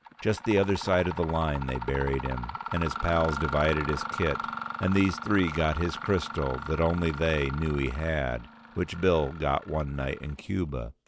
Just the other side of the line they buried him, and his pals divided his kit, and these three got his crystal that only they knew he had, which Bill got one night in Cuba.